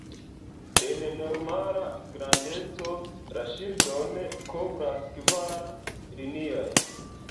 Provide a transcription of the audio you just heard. En normala grandeco, la ŝildon kovras kvar linioj.